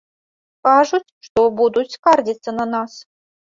Кажуць, што будуць скардзіцца на нас.